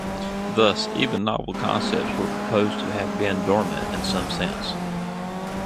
Thus, even novel concepts were proposed to have been dormant in some sense.